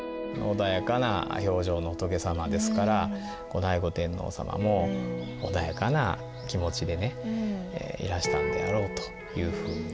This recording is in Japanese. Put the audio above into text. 穏やかな表情の仏様ですから後醍醐天皇様も穏やかな気持ちでねいらしたんであろうというふうに。